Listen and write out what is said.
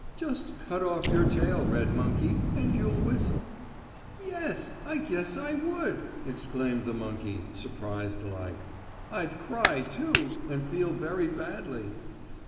Just cut off your tail, red monkey, and you'll whistle." "Yes, I guess I would!" exclaimed the monkey, surprised like. "I'd cry too, and feel very badly.